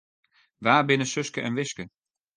Wa binne Suske en Wiske?